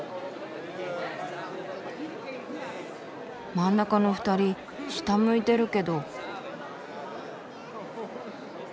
真ん中の２人下向いてるけど。